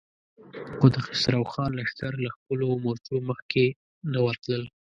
خو د خسرو خان لښکر له خپلو مورچو مخکې نه ورتلل.